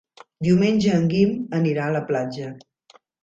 Diumenge en Guim anirà a la platja.